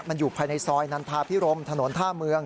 มันอยู่ภายในซอยนันทาพิรมถนนท่าเมือง